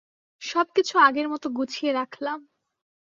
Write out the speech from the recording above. সবকিছু আগের মতো গুছিয়ে রাখলাম।